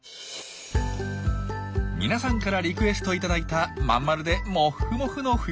皆さんからリクエスト頂いたまん丸でモッフモフの冬のシマエナガ。